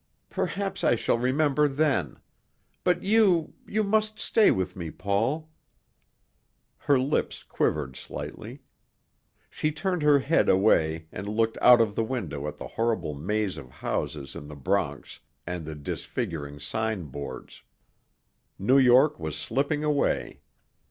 "Perhaps I shall remember then. But you you must stay with me, Paul." Her lips quivered slightly. She turned her head away and looked out of the window at the horrible maze of houses in the Bronx and the disfiguring sign boards. New York was slipping away.